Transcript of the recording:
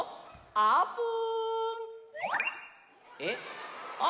あーぷん